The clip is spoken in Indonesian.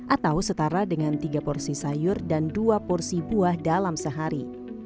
atau setara dengan tiga porsi sayur dan dua porsi buah dalam sehari